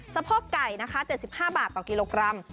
สะพอกไก่๗๕บาทต่อกิโลกรัม